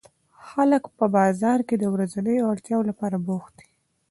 خلک په بازار کې د ورځنیو اړتیاوو لپاره بوخت دي